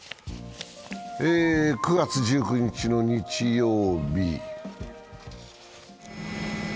９月１９日の日曜日。